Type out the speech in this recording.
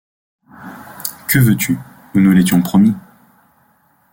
Que veux-tu, nous nous l’étions promis.